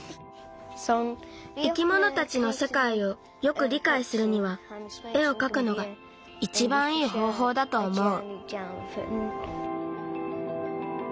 生き物たちのせかいをよくりかいするにはえをかくのがいちばんいいほうほうだとおもう。